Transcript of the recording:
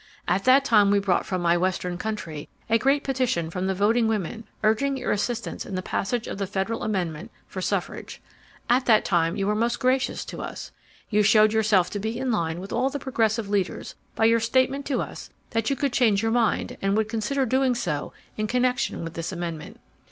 At that time we brought from my western country a great petition from the voting women urging your assistance in the passage of the federal amendment for suffrage. At that time you were most gracious to us. You showed yourself to be in line with all the progressive leaders by your statement to us that you could change your mind and would consider doing so in connection with this amendment.